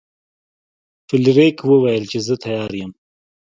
فلیریک وویل چې زه تیار یم.